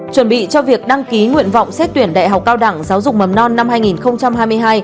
chuẩn bị cho việc đăng ký nguyện vọng xét tuyển đại học cao đẳng giáo dục mầm non năm hai nghìn hai mươi hai